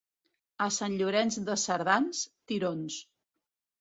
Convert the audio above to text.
A Sant Llorenç de Cerdans, tirons.